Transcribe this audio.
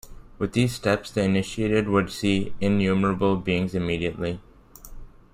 With these steps the initiated would see innumerable beings immediately.